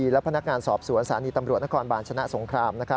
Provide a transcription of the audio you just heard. และพนักงานสอบสวนสถานีตำรวจนครบาลชนะสงคราม